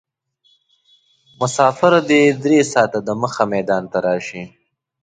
مسافر دې درې ساعته دمخه میدان ته راشي.